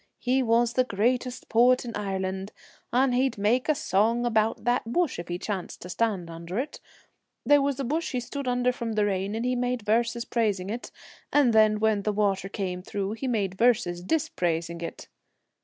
He was the greatest poet in Ireland, and he'd make a song about that bush if he chanced to stand under it. There was a bush he stood under from the rain, and he made verses 37 The praising it, and then when the water came Twilight, through he made verses dispraising it.'